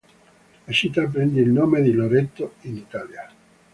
La città prende il nome da Loreto, in Italia.